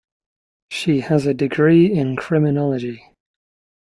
She has a degree in criminology.